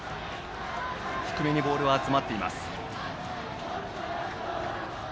低めにボールが集まっています。